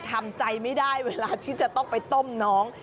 ทำใจไม่ได้เวลาที่จะต้องไปต้มน้อง